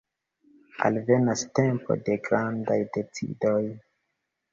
Alvenas tempo de grandaj decidoj.